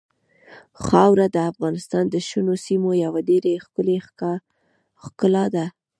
خاوره د افغانستان د شنو سیمو یوه ډېره ښکلې ښکلا ده.